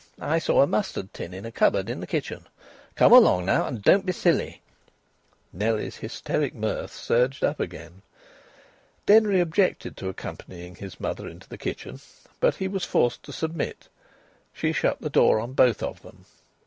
"I saw a mustard tin in a cupboard in the kitchen. Come along now, and don't be silly." Nellie's hysteric mirth surged up again. Denry objected to accompanying his mother into the kitchen. But he was forced to submit. She shut the door on both of them.